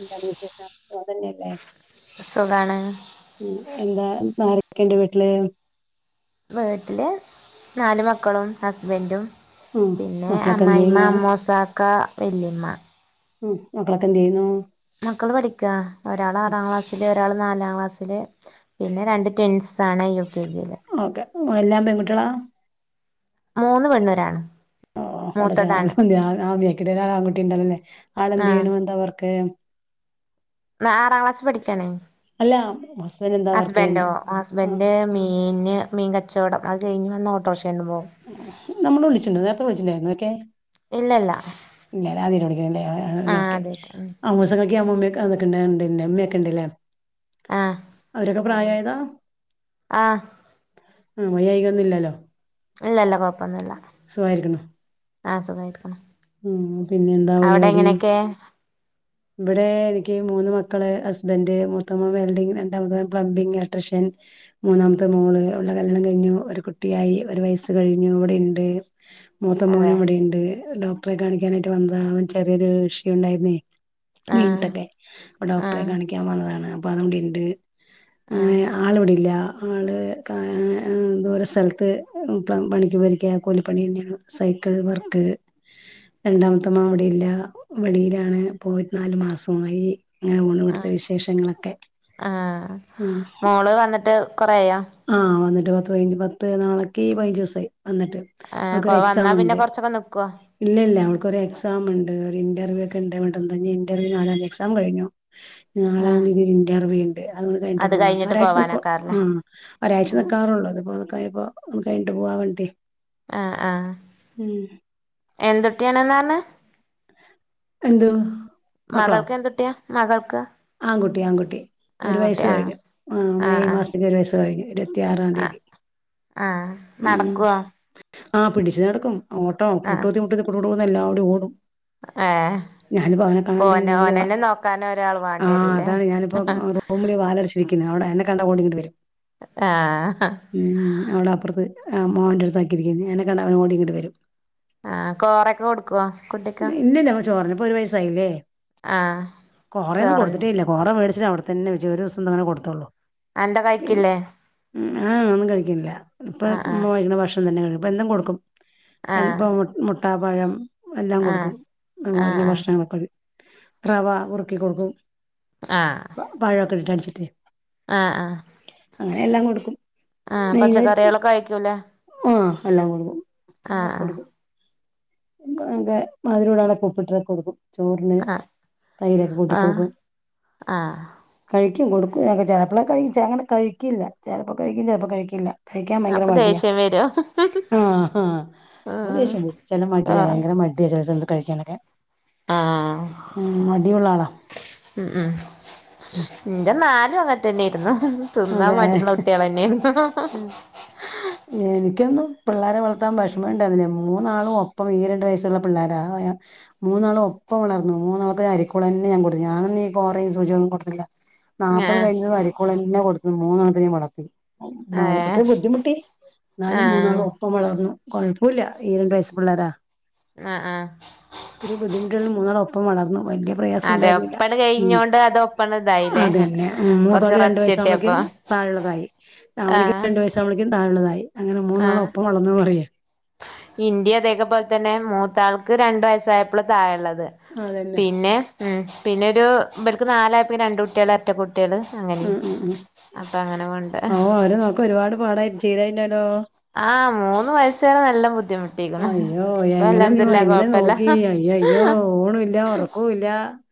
എന്താണ്‌ വിശേഷം സുഖംതന്നെയല്ലേ സുഖാണ് മ് എന്താ നാര ക്കെ വീട്ടില് വീട്ടില് നാല് മക്കളും ഹസ്ബന്റും ഉം പിന്നെ മക്കളൊക്കെ എന്ത് അമായിയമ്മ ചെയ്യുന്നു? അമ്മോസാക്ക വല്ല്യമ്മ മ് മക്കളൊക്കെ എന്ത് ചെയ്യുന്നു മക്കള് പഠിക്ക ഒരാള് ആറാം ക്ലാസ്സില് ഒരാള് നാലാം ക്ലാസ്സില് പിന്നെ രണ്ട് ട്വിൻസാണ് യു കെ ജിയില് ഓക്കെ എല്ലാം പെൺകുട്ടികളാ? മൂന്ന് പെണ്ണും ഒരാണും ഓ [unintelligible] [unintelligible] ഒരൺകുട്ടി ഉണ്ടല്ലോല്ലെ ആളെന്ത് ചെയ്യണു എന്താ വർക്ക് ന ആറാം ക്ലാസ് പഠിക്കാണ് അല്ല ഹസ്ബൻഡ് എന്താ വർക്ക്ന്ന്? ഹസ്ബൻഡോ ആഹ് ഹസ്ബൻഡ് മീന് മീൻ കച്ചോടം അത് കഴിഞ്ഞ് വന്ന ഓട്ടോറിക്ഷ നമ്മള് വിളിച്ചിട്ടുണ്ട് നേരത്തെ വിളിച്ചിട്ടുണ്ടായിരുന്നു ഒക്കെ. [unintelligible] ഇല്ലല്ല ഇല്ലലേ ആദ്യ യിട്ട് വിളിക്കല്ലേ ആഹ് ഓക്കെ അതായിട്ട് ആ മസ- [unintelligible] അമ്മൂമ്മയൊക്കെ വന്നിട്ടുണ്ടായിരുന്നുലേ ഇമ്മക്കണ്ട്ലേ. ആഹ് അവരൊക്കെ എല്ലാരുണ്ട് പ്രായായതാ. ആഹ് ആ വയ്യായികൊന്നും ഇല്ലല്ലോ. ഇല്ല ഇല്ല കൊഴ സുഖായിരിക്കുണു. അ സുഖായിട്ടിരിക്കുണു. ഉം പിന്നെ എന്താ പരിപാടി. ഇവിടെ എനിക്ക് മൂന്ന് മക്കള് ഹസ്ബന്റ് മൂത്ത മോൻ വെൽഡിംഗ് രണ്ടാമത്തെ മോൻ പ്ലംബിംഗ് ഇലക്ട്രീഷ്യൻ. മൂന്നാമത്തെ മോള് ഓളെ കല്യാണം കഴിഞ്ഞു ഒരു കുട്ടിയായി ഒരു വയസ്സ് കഴിഞ്ഞു ഇവിടെ ഇണ്ട്. മൂത്ത അതെ മോനും ഇവിടെയുണ്ട് ഡോക്ടറെ കാണിക്കാനായിട്ട് വന്നതാ അവന് ചെറിയൊരു ഇഷ്യു ഉണ്ടായിരുന്നേ. [unintelligible] ആഹ് അപ്പ ഡോക്ടറെ ആഹ് കാണിക്കാൻ വന്നതാണ് അപ്പൊ അവൻ ഇവിടിണ്ട്. അങ്ങനെ ആഹ് ആള് ഇവിടില്ല. ആള് എ ദൂര സ്ഥലത്ത് പണിക്ക് പോയിരിക്ക കൂലിപ്പണി തന്നെയാണ് സൈ ക്കൾ വർക്ക് രണ്ടാമത്തെ മോൻ ഇവിടെല്ല വെളിയിലാണ്. പോയിട്ട് നാല് മാസമായി. അങ്ങനെ പോണ് ഇവിടത്തെ ആഹ് വിശേഷങ്ങളൊക്കെ ഉം. കൊറേയാ ഒരു പത്ത് പതിനഞ്ച് പത്ത് നാളക്ക് പതിനഞ്ച് ദിവസമായി വന്നിട്ട് ഏഹ് അവൾക്കൊ ഒരു എക്സാം വന്നാ പിന്നെ ഉണ്ട്. കൊറച്ചൊക്കെ നിക്കുവോ ഇല്ല ഇല്ല അവൾക്കൊരു എക്സാം ഉണ്ട് ഒരു ഇന്റർവ്യൂ ഒക്കെണ്ട് [unintelligible] ഇന്റർവ്യൂ നാലാം എക്സാം കഴിഞ്ഞു നാലാം ആഹ് തിയതി ഒരു ഇന്റർവ്യൂ ഉണ്ട്. അതുംകൂട കഴിഞ്ഞിട്ടേ അത് പോവുന്നള്ളു വന്നാ കഴിഞ്ഞിട്ട് ഒരാഴ്ച നിൽക്കു പോവാനേക്കാറല്ലേ മ്മ്. ഒരാഴ്ചക്കെ ആഹ് നിക്കാറുള്ളു അതിപ്പോ ഇതക്കായപ്പോ ഇത് കഴിഞ്ഞിട്ട് പോവാൻ വേണ്ടിട്ടേ ആ ആ എന്ത്ട്ടിയാണ്ന്നാ പറഞ്ഞേ. എന്ത് മകൾക്ക് എന്തുട്ടിയാ മകൾക്ക്. ആൺകുട്ടി ആൺകുട്ടി ഒരു ആൺകുട്ടി വയസ്സ് ആഹ് കഴിഞ്ഞു ആ ആഹ് മെയ് ആഹ് മാസത്തേക്ക്‌ ഒരു വയസ്സ് കഴിഞ്ഞു. ഇരുപത്തിയാറാം ആഹ് തീയതി ആഹ് ഉം. നടക്കുവോ ആ പിടിച്ച് നടക്കും ഓട്ടോ മുട്ടൂത്തി മുട്ടൂത്തി കുടു കുടു എല്ലാവടെയും ഓടും. ഏ ഞാനിപ്പോ അവനെ കാണണ്ട് ഓന റൂമില് വാ- ഓനന്നെ നോക്കാന് ഒരാൾ വാണ്ടേ. ആ അതാണ് ഞാനിപ്പോ റൂമില് വാലടിച്ചിരിക്കുന്നത് അവിടെ എന്നെ കണ്ടാ ഓടിങ്ങട്ട് വരും. ആഹ് ഉം അവിടെ അപ്പുറത്ത് മോന്റെ അടുത്ത ആക്കിയിരിക്ക എന്നെ കണ്ട അവന് ഓടി ഇങ്ങട്ട് വരും. ആഹ് കോറൊക്കെ കൊടുക്കുവോ കുട്ടിക്ക് ഇല്ലല്ല ചോർന്നപ്പൊ ഒരു വയസായില്ലേ. ആ ചോറന്നെ തിന്നിട്ടേയില്ല കോറ വേടിച്ചിട്ട് അടെത്തന്നെ വച്ചക്കാ ഒരു ദിവസം എങ്ങാനും കൊടുത്തോള്ളൂ. അതെന്താ കഴിക്കില്ലേ. ആ ഒന്നും കഴിക്ക്‌ണില്ല ഇപ്പൊ ആഹ് നമ്മള് കഴിക്കണ ഭക്ഷണം തന്നെ കഴിക്കും ഇപ്പം എന്തും കൊടുക്കും. എ ആഹ് ഇപ്പൊ മുട്ട പഴം എല്ലാം ആഹ് കൊടുക്കും ആഹ് [unintelligible] ആഹ് ഭക്ഷണങ്ങളൊക്കെ അത് റവ കുറുക്കി കൊടുക്കും പഴൊക്കെ ഇട്ടടിച്ചിട്ടേ. ആ ആ അങ്ങനെ എല്ലാം കൊടുക്കും. ആ മെയിനായിട്ട് പച്ചക്കറികളൊക്കെ കഴിക്കൂലേ ആ എല്ലാം കൊടുക്കും ആഹ് കൊടുക്കും. [unintelligible] മധിരടാതെ ഉപ്പിട്ട്ട്ടൊക്കെ കൊടുക്കും. ചോറിന് ആഹ് തൈരൊക്കെ ആഹ് കൂട്ടിക്കൊടുക്കും ആഹ് ആഹ് കഴി കും കൊടുക്കും ചേലെപ്പളെ കഴിക്കും അങ്ങനെ കഴിക്കില്ല ചെലപ്പോ കഴിക്കും ചെലപ്പോ കഴിക്കില്ല.. കഴിക്കാൻ ഭയങ്കര അപ്പൊ മടിയാ. ദേഷ്യം വരും ആ ആ ആഹ് ഉദേശം ചെല മടിയാ ഭയങ്കര മടിയ ചെല സമയത്ത് കഴിക്കാനൊക്കെ ആ ഉം മടിയുള്ള ആളാ ഉ ഉം ഇന്റെ നാ [unintelligible] അങ്ങന തന്നെരുന്നു തിന്നാൻ അതെ മടിള്ള കുട്ടിയോളെന്ന് ന്നൊയിരുന്നു പിള്ളാരെ വളർത്താൻ വിഷമുണ്ടതിനെ മൂന്നാളും ഒപ്പം ഈരണ്ടു വയസ്സുള്ള പിള്ളോര മൂന്നാളും ഒ ഇപ്പം വളർന്നു മൂന്നള്ക്കും [unintelligible] ഞാൻ കൊടുത്തു ഞാനൊന്നും ഈ കോറയും സൂചിയൊന്നും കൊടുത്തില്ല നാല്പ്പത് ആഹ് കഴിഞ്ഞതും [unintelligible] കൊടുക്കുന്നു മൂന്നെണ്ണത്തിനെയും വളർത്തി ഏഹ് [unintelligible] ബുദ്ധിമുട്ടി എന്നാലും ആഹ് മൂന്നാളും ഒപ്പം വളർന്നു കൊഴപ്പോല്ല ഈ രണ്ട് വയസ്സ് പിള്ളേരാ ആഹ് ആഹ് ഒത്തിരി ബുദ്ധിമുട്ടുകളിലും മൂന്നാളും ഒപ്പം വളർന്നു വല്യ അതെ പ്രയാസൊണ്ടായിരുന്നില്ല ഒപ്പണ് ഉം കഴിഞ്ഞോണ്ട് അത് ഒപ്പണ് ഇതായില്ലേ അതെന്നെ മൂത്തോൾക്ക് കൊറച്ച് രണ്ട് റസ്റ്റ് വയസ്സ് ആവുമ്പോക്ക് കിട്ടിയപ്പോ താഴെള്ളതായി അവനിക്ക് ആഹ് രണ്ട് വയസ്സായ പോയെക്കും തായെള്ളതായി അങ്ങനെ മൂന്നാളും ഒപ്പം വളർന്നു പറയ ഇൻ്റെം അതേക്ക പോലെ തന്നെ മൂത്താൾക്ക് രണ്ടു വയസ് [unintelligible] തായള്ളത് അതന്നെ പിന്നെ ഉം പിന്നെ ഒരു ബല്ക്ക് നാലായപ്പെക്കിന് രണ്ട് കുട്യാൾ എരട്ടകുട്യാ ട്യാള് അങ്ങനെയ ഉം ഉം ഉം അപ്പൊ അങ്ങനെ വേണ്ട ഓ അവരെ നോക്കാൻ ഒരുപാട് പാടായി ചെയ്തായിണ്ടാലോ ആഹ് മൂന്ന് വയസ്സുവരെ നല്ലം ബുദ്ധിമു ബുദ്ധിമുട്ടീക്കണ് അയ്യോ എങ്ങനെ നീ ഇപ്പൽഹമ്ദുലില്ലാ എങ്ങനെ കൊഴപ്പല്ല നോക്കി അയ്യ അയ്യോ ഊണും ഇല്ല ഉറക്കവും ഇല്ല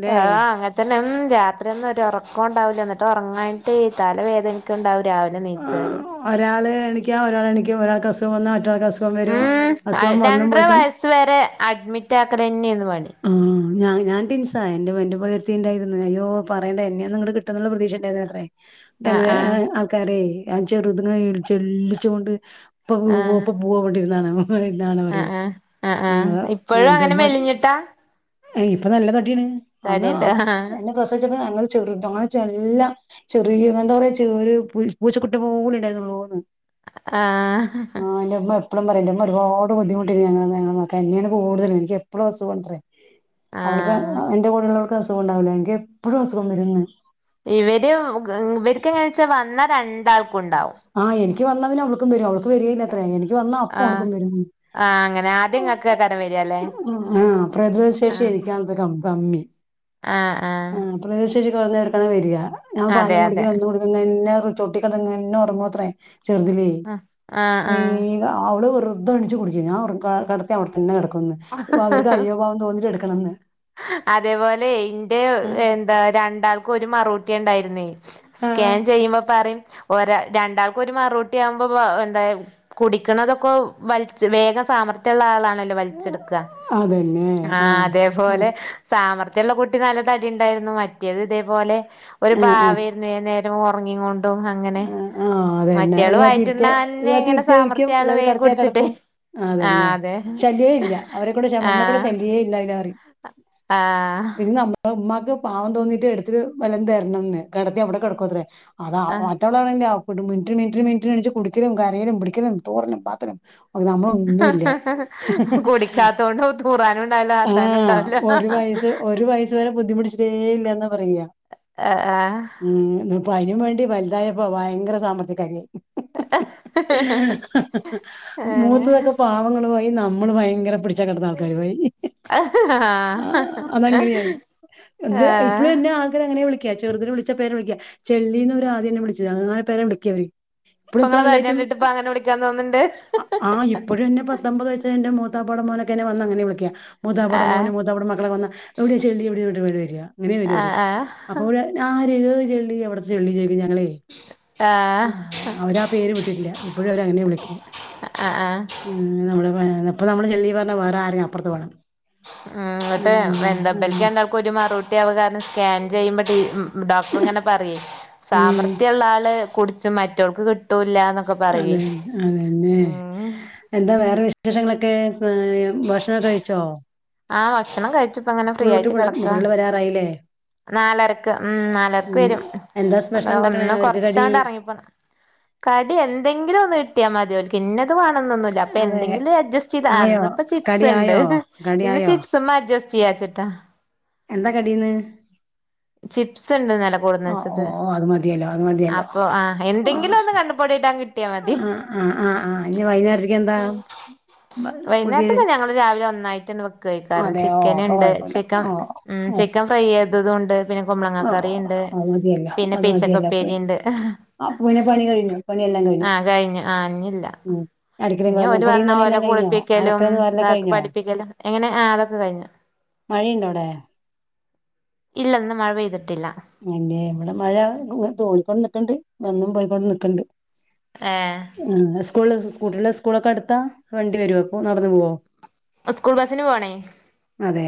ല്ലേ ആ അങ്ങത്തെ ഉം രാത്രിയൊന്നും ഒരോറക്കോണ്ടാവൂല്ല എന്നിട്ട് ഉറങ്ങാനിട്ടെ തലവേദനക്ക്ണ്ടാവു ആ ഒരാൾ എണിക്ക ഒരാൾ എണിക്ക ഒരാൾക്ക് അസുഖം വന്നാ മറ്റാൾക്കസു ഉം രണ്ടര വയസ്സ് വരെ അഡ്മിറ്റാക്കലെന്നെയ്ന്നു പണി ആ ഞാഞാൻ ടിൻസാ എന്റെമ്മൊ എൻ്റപ്പം ഒരുത്തിണ്ടായിരുന്നു അയ്യോ പറയേണ്ട എന്നെയോന്നങ്ങട് കിട്ടുന്നുള്ള പ്രതീക്ഷണ്ടായിരുന്നില്ലത്രേ ആഹ് ട്ടങ്ങനെ ആഹ് ആൾക്കാരെ ഞൻ ചെറുതുങ്ങിനെചെള്ളിച്ചൊണ്ട് ഇപ്പൊ പോവോ ആഹ് പ്പപോവോ [unintelligible] ടിരുന്നാണ് ഇവിടിരുന്നാണ് പറയും ആഹ് ആഹ് ആഹ് ആഹ് ഇപ്പഴും അങ്ങനെ എൻ്റെമ്മ മെലിഞ്ഞിട്ടാ ഏ ഇപ്പൊ നല്ലതടി യാണ് അന്ന് തടിണ്ട് അ ആഹ് എന്നെ പ്രസവിച്ചപ്പോ ഞങ്ങൾ ചെറുതാ അങ്ങനെല്ലാം ചെറിയ എന്താ പറിയ ചെ ഒരു പൂച്ചക്കുട്ടിനെ പോലെ ഉണ്ടായിരുന്നുള്ളൂന്ന് ആഹ് ആ ൻ്റെമ്മ എപ്പളും പറയും ൻ്റെ ഒരുപാട് ബുദ്ധിമുട്ടി ഞങ്ങള് ഞങ്ങളെ നോക്കാൻ എന്നെയാണ് കൂടുതലും എനിക്ക് എപ്പോഴും അസുഖാണത്രേ അവൾക്ക് ആഹ് എൻ്റെ കൂടെള്ളവൾക്ക് അസുഖം ഉണ്ടാവൂല എനിക്ക് എപ്പഴും അസുഖം വരുംന്ന് ഇവര് ഇവർക്കെങ്ങനെവെച്ചാൽ വന്ന രണ്ടാൾ ആ എനിക്ക് വന്ന പിന്നെ അവൾക്കും വരും അവൾക്ക് വര്യേല്ലത്ര എനിക്ക് വന്ന ആഹ് അപ്പവൾക്കും വരുഅത്രേ ആഹ് അങ്ങനെ ആദ്യം ഇങ്ങക്കേക്കാരം വരാല്ലേ ആ പ്രതിരോധശേഷി [unintelligible] കമ്മി ആ ആ ശെഷി കുറഞ്ഞവർക്കാണ് വരിക ഞാൻ പാലും അതെ കുടിക്കും എന്തും കുടിക്കും [inaudible] ചൊട്ടിക്കിടന്നെറങ്ങുത്രേ ചെറുതിലൊ ആഹ് വെക അവള് വെറുതെണീച്ച് കുടിക്കും ഞാ ഒറങ്ങാ കിടത്തിയ അവിടെത്തന്നെ കിട ക്കുംന്ന് പ്പോഅവർക്ക് ആഹ് അയ്യോ പാവംതോന്നിട്ട് എടുക്കണംന്ന് അതേപോലെ ന്റെ എന്താ രണ്ടാൾ ക്ക് ഒരു മറൂട്ടിയാണ്ടായിരുന്നേ ആ സ്കാൻ ചെയ്യുമ്പോ പറയും ഒരാ രണ്ടാൾക്കൊരു മറൂട്ടിയാവുമ്പോ എന്താ കുടിക്കണതൊക്കെ വലിച്ച് വേഗം സ സാമർത്യള്ള ആളാണല്ലോ വലിച്ചെടുക്ക ആ ആ അതേപോലെ സാമർ ത്യള്ള കുട്ടി നല്ല തടിണ്ടായിരുന്നു മറ്റൊത് ഇതേപോലെ ഒരു ആ ആ പാവെര്ന്നു ഏത് നേരോം ഒറങ്ങിങ്ങൊ ണ്ടും അങ്ങനെ അതെന്നെ മറ്റേയാള് ഒരുപാത്തിരുത്തിയാ ഒരു വയറ്റിന്നന്നെ ഇങ്ങനെ പാത്തിരുത്തിയ ഇരിക്കും സാമർഥ്യ ആള് ഒരുപാത്ത് വേഗം കെടത്തിയാ കുടിച്ചിട്ടേ കെടക്കും അതെന്നെ ആഹ് അതെ ശല്യോ ഇല്ല അവരെ കൊണ്ട് ശ നമ്മളെക്കൊണ്ട് ശല്യോല്ലണ്ടായില്ലഅറിയും ആ ഉമ്മാക്ക് പാവം തോന്നീട്ട് എടുത്തിട്ട് വല്ലതും തരണംന്ന് കിടത്തിയ അവിടെ കിടക്കുവത്രേ അത ആഹ് [unintelligible] മിനിറ്റിന് മിനിറ്റിന് മിനിറ്റിനെണീച്ച്ട്ട് കുടിക്കലും കരയലും പിടിക്കലും തൂറലും പാതലും നമ്മളോന്നുല്ല കുടിക്കാത്തോണ്ട് തൂറാനും ഉണ്ടാവില്ല ആ ആത്താനും ഉണ്ടാവില്ല ഒരു വയ സ് ഒരു വയസ് വരെ ബുദ്ധിമുട്ടിച്ചിട്ടേല്ലാന്ന പറയാ ആഹ് ആഹ് അപ്പൊ അതിന് വേണ്ടി വലുതായപ്പോ വയങ്കര സാമ്രാത്രി ക്കാരി ആയി ഹ ഹ ഹ ഹ മൂത്തതോക്കെ പാവങ്ങളായി നമ്മള് ഭയങ്കര പിടിച്ചാൽ കിട്ടുന്ന ആൾക്കാര് ആയി ആഹ് ആ അതങ്ങനെയായി എ ഇപ്പഴും ആഹ് എന്നെ ആൾക്കാര് അങ്ങനെ വിളിക്ക ചെറുതിന് വിളിച്ച പേരാ വിളിക്ക ചെള്ളീന്ന് ഓര് ആദ്യം ന്നെ വിളിച്ചത് അങ്ങനെ പേരെ വിളിക്കാ ഇവര് ഇപ്പോഴും ഇപ്പ ഇത്ര ഇങ്ങളെ തടി വലുതായിട്ടും കണ്ടിട്ട് ഇപ്പ അങ്ങനെ വിളിക്കാൻ തോന്ന്ണ്ട് ആ ഇപ്പോഴും എന്നെ പത്തമ്പത് വയസ്സ എന്റെ മോൻ മൂത്താപ്പാടെ മോൻ വന്നങ്ങനെ വിളിക്ക മൂത്താപ്പ ടെ ആഹ് മോന മൂത്താപ്പ ടെ മക്കളെ വന്ന് എവിടെയും ചെള്ളി എവിടെ എന്ന് ചോദിച്ചു വരിക. അങ്ങനെ വര അവര് ആഹ് ആഹ് അപ്പ ആ ഒരു ഏത് ചെള്ളി എവിടെ ചെള്ളി ചോദിക്ക ഞങ്ങളേ ആ ആഹ് അവരാ പേര് വിട്ടിട്ടില്ല ഇപ്പഴും അവര് അങ്ങനെ വിളിക്ക. ആഹ് ആഹ് ഉം നമ്മള് ഇപ്പ നമ്മള് ചെള്ളി പറഞ്ഞ വേറെ ആരെങ്കും അപ്പുറത്ത് പോണം ആ ഇങ്ങട്ട് വെന്ത ഇവൽ ക്ക് രണ്ടാൾക്ക് ഒരു മറുഊട്ടിയ ആയ കാരണം സ്കാൻ ചെയ്യുമ്പോ ഡോക്ടർ ഇങ്ങനെ പറയേ ഉം സാമർഥ്യമുള്ള ആള് കുടിച്ചും മറ്റൊൾക്ക് കിട്ടൂല്ല. എന്നൊക്കെ പറയുവേ അതെ അതെന്നെ ഉം എന്താ വേറെ വിശേഷങ്ങളൊക്കെ? ഏ ഭക്ഷണം കഴിച്ചോ? ആ ഭക്ഷണം കഴിച്ചു പ്പ അങ്ങനെ ഫ്രീ സ്കൂൾ വിട്ട് ആയിട്ട് കിടക്ക. കുട്ടികള് വരാറായില്ലേ നാലരക്ക് ഉം നാലരക്ക് ഉം വരും എന്താ അതാ സ്പെഷ്യൽ ഉണ്ടാക്കണേ ഒന്ന് അവർക്ക് കടി കൊറച്ചാണ്ട് ഇറങ്ങിപ്പോണം. കടി എന്തെങ്കിലും ഒന്ന് കിട്ടിയാൽ മതി ഓല് ഇന്നത് വേണണംന്നൊന്നുല്ല അപ്പൊ അതെ എന്തെിങ്കിലും അഡ്ജസ്റ്റ് ചെയ്ത ആയോ ഇന്ന് പ്പ കടി ണ്ട് ആയോ കടി ഇന്ന് ആയോ ചിപ്സ്മ്മ അഡ്ജസ്റ്റ് ചെയ്യാച്ചിട്ടാ... എന്താ കടീന്ന് ചിപ്സ് ഉണ്ട് ഇന്നലെ ആ ഓ കൊടുന്നച്ചത് ഓ അത് മതിയല്ലോ അത് മതിയല്ലോ അപ്പൊ ആഹ ആഹ് എന്തെങ്കിലും ഒന്ന് കണ്ണ് പൊടിയിട്ടാൻ കിട്ടിയാ മതി ആ ആഹ് ആഹ് ആഹ് ഇനി വൈകുന്നേരത്തേക്ക് എന്താ? പുതിയ വൈകുന്നേരത്ത്ക്ക് തന്നെ ഞങ്ങൾ രാവിലെ ഒന്നായിട്ടണ്ട് വെക്കായ്ക്കരം കാരണം അതെ ഓ ചിക്കൻ അപ്പൊ ഉണ്ട് കൊഴപ്പല്ല ചിക്കൻ ഓ ഉ ഓ ചിക്കൻ ഫ്രൈ ചെയ്തതൊണ്ട്. പിന്നെ കുമ്പളങ്ങ ആഹ് കറി ഉണ്ട് അത് മതിയല്ലോ പിന്നെ അത് മതിയല്ലോ അപ്പ പീച്ചക്കപ്പേരി ഉണ്ട്. അപ്പൊ പിന്നെ പണി കഴിഞ്ഞു പണിയെല്ലാം ആഹ കഴിഞ്ഞു ആ ഇഞ്ഞില്ല ഉം അടിക്കലും ഇനി വാരലും ഓര് കുളിയും വന്ന നനയെല്ലാം ഓലെ കഴിഞ്ഞോ കുളിപ്പിക്കലും അലക്കലും ഇതാ വാരലൊക്കെ കഴിഞ്ഞോ പഠിപ്പിക്കലും എങ്ങനെ അതൊക്കെ കഴിഞ്ഞു. മഴീണ്ടോ അവിടെ? ഇല്ല ഇന്ന് മഴ പെയ്തിട്ടില്ല. പിന്നെ ഇവിടെ മഴ തൂങ്ങി ക്കൊണ്ട് നിക്ക് ണ്ട് വന്നും പോയിക്കൊണ്ട് നിക്കണ്ട്. ഏഹ് ആ സ്കൂള് കുട്ടികളെ സ്കൂളൊക്കെ അടുത്താ വണ്ടി വരൊ അപ്പൊ നടന്നു പോവോ?? സ്കൂൾ ബസ്സിന് പോണേ അതെ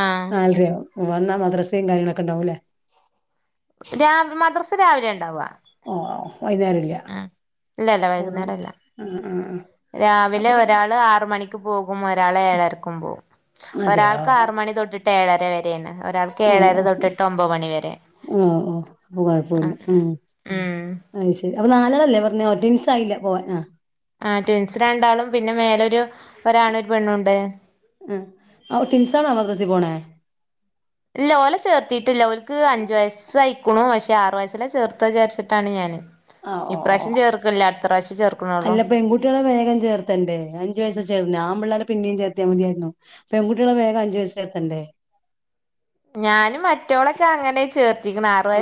ആഹ് നാലര ആകും വന്നാൽ മദ്രസയും കാര്യങ്ങളൊക്കെ ഉണ്ടാവും ല്ലേ? രാ മദ്റസ രാവിലെ ഉണ്ടാവാ. ഓ വൈകുന്നേരല്ല ഇല്ല ഇല്ല വൈകുന്നേരല്ല ആഹ് രാവിലെ അപ്പൊ ഒരാള് ആറ് മണിക്ക് പോകും ഒരാൾ ഏഴരക്കും പോകും അതെയോ ഒരാൾക്ക് ആറ് മണി തൊട്ടിട്ട് ഏഴര വരെ ണ് ഒരാൾക്ക് ഓഹ് ഏഴര ഓഹ് തൊട്ടെട്ട് ഒമ്പത് മണിവരെ അത് ശരി അപ്പൊ നാലാളല്ലേ പറഞ്ഞെ റ്റിൻസ ആയില്ല പോവാൻ ആ ആ ട്വിൻസ് രണ്ടാളും പിന്നെ മേലെ ഒരു ഒരാണൊരു പെണ്ണുണ്ട്. ആ ഓ ട്വിൻസാണോ മദ്രസി പോണേ ല്ല ഓലെ ചേർത്തിട്ട് ല്ല ഓല് ക്ക് അഞ്ചു വയസ്സായിക്കണു പക്ഷെ ആറു വയസ്സിൽ ചേർത്ത വിചാരിച്ചിട്ടാണ് ഞാന്. ആ ഓ ഓ ഈപ്രാവശ്യം ചേർക്ക്ണില്ല അടുത്ത പ്രാവശ്യം. ചേർക്കണുള്ളൂ അല്ല പെൺകുട്ടികളെ വേഗം ചേർത്തണ്ടേ അഞ്ചു വയസ ചേർന്ന ആണ് പിള്ളേരെ പിന്നെയും ചേർത്തിയാൽ മതിയായിരുന്നു പെൺകുട്ടികളെ വേഗം അഞ്ചു വയസിൽ ചേർത്തണ്ടേ? ഞാനും മറ്റോളൊക്കെ അങ്ങനെ ചേർത്ത് ആ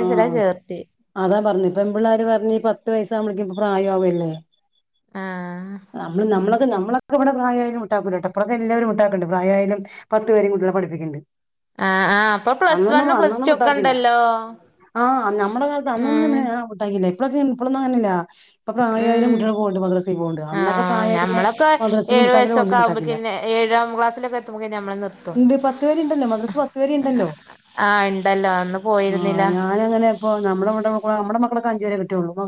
അതാ പറഞ്ഞു പെൺ പിള്ളോര് പറഞ് പത്ത് വയസാകുമ്പോഴേക്ക് പ്രായവല്ലേ ആ നമ്മള് നമ്മള [unintelligible] [unintelligible] ആ ആ് അപ്പൊ പ്ലസ് വണ്ണും പ്ലസ് ടു അന്നൊന്നും ഒക്കെ വിട്ടാക്കില്ല ഉണ്ടല്ലോ ആഹ് നമ്മുടെ കാലത്ത് ഉം അന്നൊന്നുംട്ടാക്കില്ല ഇപ്പഴൊക്കെ ഇപ്പളൊന്നും അങ്ങനല്ല അപ്പൊ പ്രായമായാലും ഉം കുട്ടികൾ പോണ്ട് മദ്രസക്ക് പോകണ്ട് അന്നൊക്കെ ആഹ് പ്രായം പിന്നെ ഞമ്മളൊക്കെ മദ്രസക്ക് ഏഴു മുട്ടാക്കില്ല വയസ്സൊക്കെ ഒന്നും ഇിട്ടാക്കില്ല ആവുമ്പോക്കിന് ഏഴാം ക്ലാസ്സിലൊക്കെ എത്തുമ്പോക്കിന് നമ്മള് നിർത്തും ഇണ്ട് പത്ത് വരെ ഉണ്ടല്ലോ മദ്രസ് പത്ത് വരെ ഇണ്ടല്ലോ ആഹ ഇണ്ടല്ലോ അന്ന് ആ പോയി ഞാൻ അങ്ങനെ ഇപ്പ നമ്മുടെ നമ്മടെ മക്കളൊക്കെ അഞ്ചുവരെ കിട്ട്യാള്ളൂ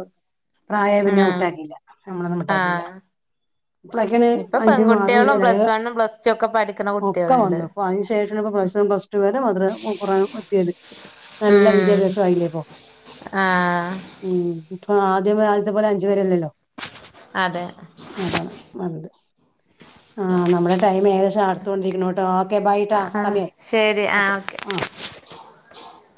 പ്രായം പിന്നെ ആഹ് വിട്ടാക്കിയില്ല നമ്മളൊന്നും വിട്ടാക്കിയില്ല ആഹ് ഇക്ക ഇപ്പൊ അഞ്ചും പെൺകുട്ടികളും ആറും പ്ലസ് വണ്ണും പ്ലസ് ടു ഒക്കെ പഠിക്കണ ഒക്കെ കുട്ടികളുണ്ട് വന്നു അപ്പൊ അതിന് ശേഷണ് പ്രാവസ്യം പസ്റ്റ് വരെ മാത്ര കുറ വത്തിയത് [unintelligible] നല്ല ഉം വിദ്യാഭ്യാസ ആയില്ലേപ്പൊ ആഹ് ഉ അപ്പ ആദ്യം ആദ്യത്തെ പോലെ അഞ്ചു പേരല്ലല്ലോ അതെ അതാണ് വഞ്ഞത് ആ നമ്മുടെ ടൈം ഏകദേശം അടുത്തുകൊണ്ടിരിക്കുന്നു ട്ടോ ഓക്കെ ബൈട്ടാ ആഹ് സമയ ശരി അതെ ആഹ് ഓക്കെ ആ